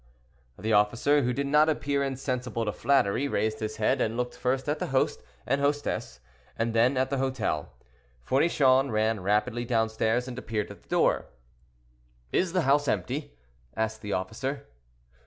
The officer, who did not appear insensible to flattery, raised his head and looked first at the host and hostess and then at the hotel. Fournichon ran rapidly downstairs and appeared at the door. "Is the house empty?" asked the officer.